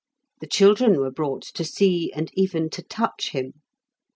The children were brought to see and even to touch him.